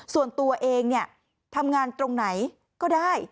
ส่วนตัวเองทำงานตรงไหนก็ได้